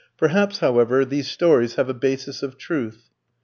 Perhaps, however, these stories have a basis of truth.